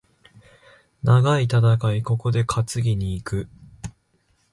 長い戦い、ここで担ぎに行く。